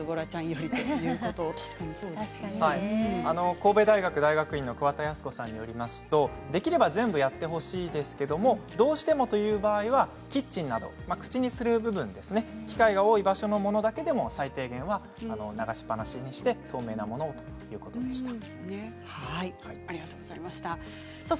神戸大学大学院の鍬田泰子さんによりますとできれば全部やってほしいですけれどどうしてもという場合はキッチンなど口にする部分その機会が多い場所だけ最低限は流しっぱなしにして透明なものをということでした。